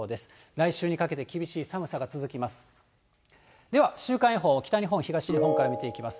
来週にかけて厳しい寒さが続きます。